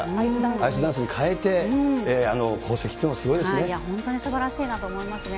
アイスダンスに変えて、あの功績っていうのもすごいですいや、本当にすばらしいなと思いますね。